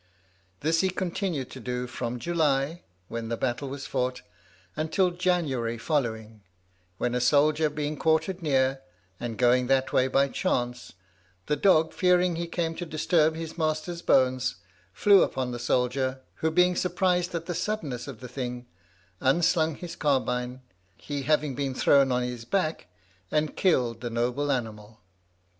This he continued to do from July, when the battle was fought, until the January following, when a soldier being quartered near, and going that way by chance, the dog, fearing he came to disturb his master's bones, flew upon the soldier, who, being surprised at the suddenness of the thing, unslung his carbine, he having been thrown on his back, and killed the noble animal.